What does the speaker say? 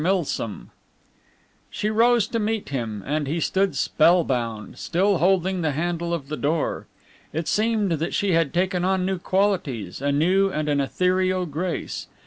MILSOM She rose to meet him, and he stood spellbound, still holding the handle of the door. It seemed that she had taken on new qualities, a new and an ethereal grace.